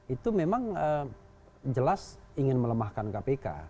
itu memang jelas ingin melemahkan kpk